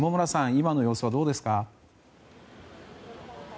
今の様子はどうですか？